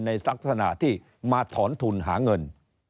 ในลักษณะที่มาถอนทุนหาเงิน